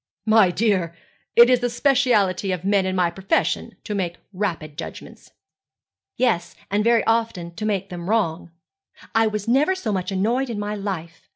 'My dear, it is the speciality of men in my profession to make rapid judgments.' 'Yes, and very often to make them wrong. I was never so much annoyed in my life.